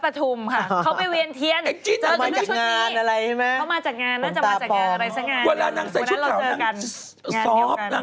กมที่นี่คือวันที่เราเจอกัน